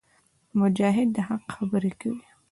مجاهد د حق خبرې کوي.